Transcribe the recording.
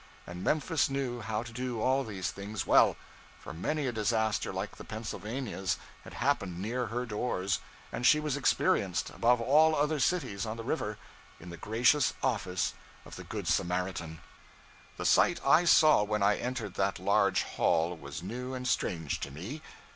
And Memphis knew how to do all these things well; for many a disaster like the 'Pennsylvania's' had happened near her doors, and she was experienced, above all other cities on the river, in the gracious office of the Good Samaritan.' The sight I saw when I entered that large hall was new and strange to me.